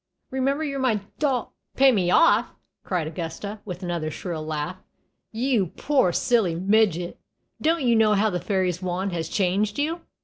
Remember, you're my doll " "Pay me off!" cried Augusta, with another shrill laugh. "You poor silly midget! don't you know how the fairy's wand has changed you?